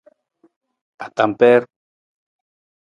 Atampeer.